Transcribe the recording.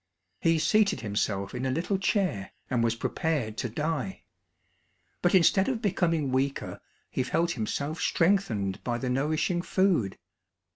He seated himself in a little chair, and was prepared to die. But instead of becoming weaker he felt himself strengthened by the nourishing food.